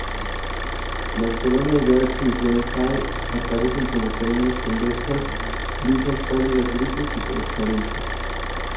Las colonias de "H. influenzae" aparecen como colonias convexas, lisas, pálidas, grises o transparentes.